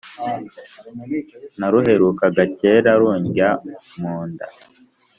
Naruherukaga kera rundya munda